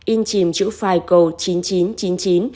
in chìm chữ phài cầu chín nghìn chín trăm chín mươi chín